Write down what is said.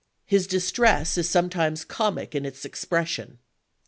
His distress is sometimes comic in its ex pression.